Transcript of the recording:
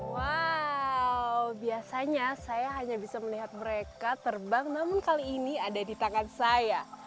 wow biasanya saya hanya bisa melihat mereka terbang namun kali ini ada di tangan saya